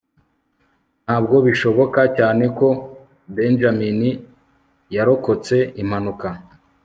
ntabwo bishoboka cyane ko benjamin yarokotse impanuka